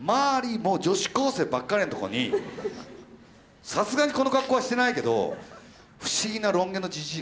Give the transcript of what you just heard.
もう女子高生ばっかりのとこにさすがにこの格好はしてないけど不思議なロン毛のじじいがいると。